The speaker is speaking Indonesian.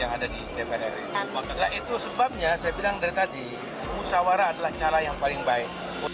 nah itu sebabnya saya bilang dari tadi musyawarah adalah cara yang paling baik